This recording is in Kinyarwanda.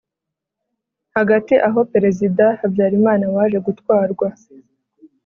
hagati aho, perezida habyarimana, waje gutwarwa